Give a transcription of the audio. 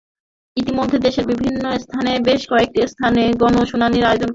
ইতিমধ্যে দেশের বিভিন্ন স্থানে বেশ কয়েকটি স্থানে গণশুনানির আয়োজন করা হয়েছে।